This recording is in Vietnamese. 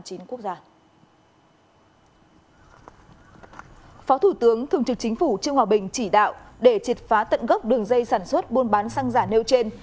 phó thủ tướng thường trực chính phủ trương hòa bình chỉ đạo để triệt phá tận gốc đường dây sản xuất buôn bán xăng giả nêu trên